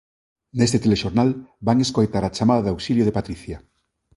Neste Telexornal van escoitar a chamada de auxilio de Patricia.